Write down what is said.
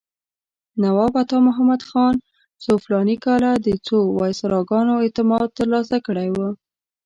نواب عطامحمد خان څو فلاني کاله د څو وایسراګانو اعتماد ترلاسه کړی و.